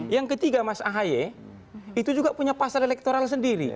yang ketiga mas ahaye itu juga punya pasar elektoral sendiri